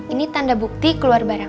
ini tanda bukti keluar barang